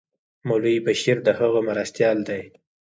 مولوي بشیر د هغه مرستیال دی.